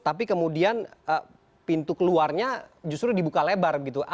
tapi kemudian pintu keluarnya justru dibuka lebar gitu